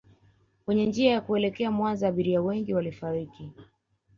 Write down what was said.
kwenye njia ya kuelekea Mwanza Abiria wengi walifariki